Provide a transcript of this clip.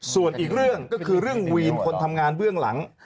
ส่วนอีกเรื่องก็คือเรื่องวีนคนทำงานเบื้องหลัง